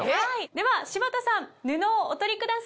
では柴田さん布をお取りください。